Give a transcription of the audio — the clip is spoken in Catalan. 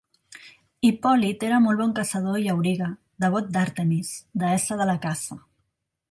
Hipòlit era molt bon caçador i auriga, devot d'Àrtemis, deessa de la caça.